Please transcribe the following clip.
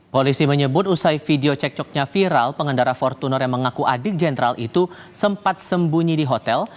polisi menyebut usai video cekcoknya viral pengendara fortuner yang mengaku adik jenderal itu sempat sembunyi di hotel